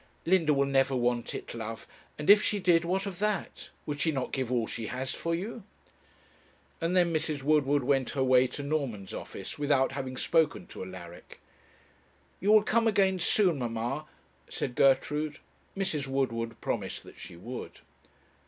'Linda will never want it, love; and if she did, what of that? would she not give all she has for you?' And then Mrs. Woodward went her way to Norman's office, without having spoken to Alaric. 'You will come again soon, mamma,' said Gertrude. Mrs. Woodward promised that she would.